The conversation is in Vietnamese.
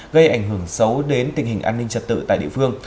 gây ảnh hưởng xấu đến tình hình an ninh trật tự tại địa phương